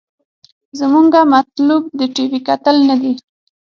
زمونګه مطلوب د ټي وي کتل نه دې.